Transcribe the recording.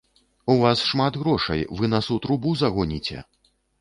У вас шмат грошай, вы нас у трубу загоніце!